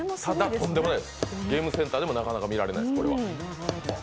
とんでもないです、ゲームセンターでもなかなか見られないです。